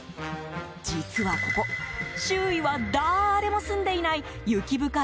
実はここ周囲は誰も住んでいない雪深い